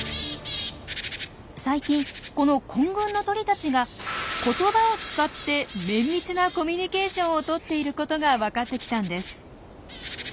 最近この混群の鳥たちが「言葉」を使って綿密なコミュニケーションをとっていることが分かってきたんです。